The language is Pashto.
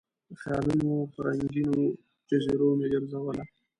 د خیالونو په رنګینو جزیرو مې ګرزوله